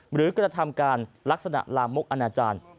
หรือกระทำการลักษณะลามกอนาจารย์